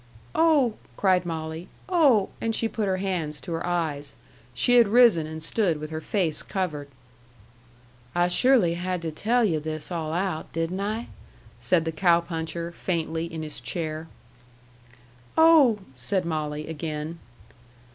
"Oh!" cried Molly. "Oh!" And she put her hands to her eyes. She had risen and stood with her face covered. "I surely had to tell you this all out, didn't I?" said the cow puncher, faintly, in his chair. "Oh!" said Molly again.